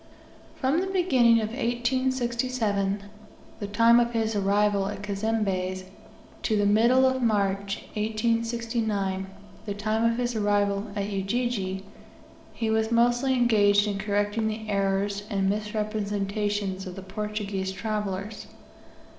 From the beginning of 1867 the time of his arrival at Cazembe's till the middle of March, 1869 the time of his arrival at Ujiji he was mostly engaged in correcting the errors and misrepresentations of the Portuguese travellers.